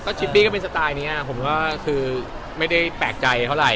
ชิปปี้ก็เป็นสไตล์นี้ผมก็คือไม่ได้แปลกใจเท่าไหร่